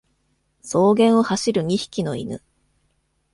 草原を走る二匹の犬。